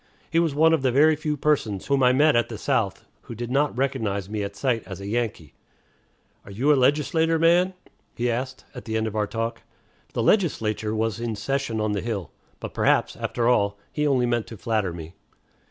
He was one of the very few persons whom I met at the South who did not recognize me at sight as a Yankee. "Are you a legislator man?" he asked, at the end of our talk. The legislature was in session on the hill. But perhaps, after all, he only meant to flatter me.